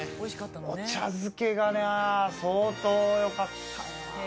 お茶漬けがな相当良かったな。